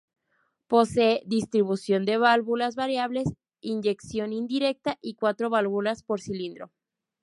Posee distribución de válvulas variable, inyección indirecta y cuatro válvulas por cilindro.